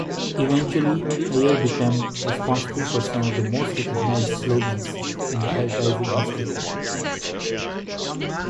Eventually Ayer became responsible for some of the most recognized slogans in advertising history.